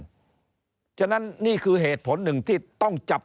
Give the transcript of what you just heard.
ด้วยและต่อสู้กันมายาวนานฉะนั้นนี่คือเหตุผลหนึ่งที่ต้องจับ